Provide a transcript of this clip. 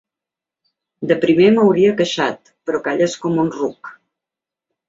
De primer m’hauria queixat, però calles com un ruc.